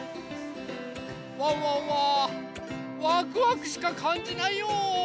ワンワンはワクワクしかかんじないよ。